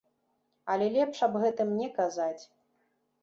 Але лепш аб гэтым не казаць.